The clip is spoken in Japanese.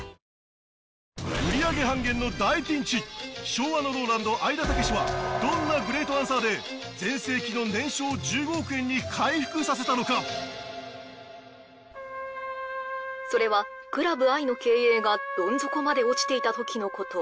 昭和のＲＯＬＡＮＤ愛田武はどんなグレートアンサーで全盛期の年商１５億円に回復させたのかそれはクラブ愛の経営がどん底まで落ちていたときのこと